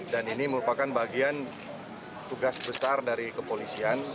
dan ini merupakan bagian tugas besar dari kepolisian